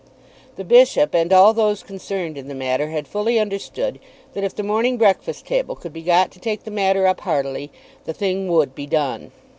The bishop and all those concerned in the matter had fully understood that if the "Morning Breakfast Table" could be got to take the matter up heartily, the thing would be done.